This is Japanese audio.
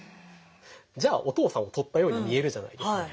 じゃあお父さんをとったように見えるじゃないですか。